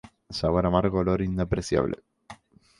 Sabor amargo, olor inapreciable.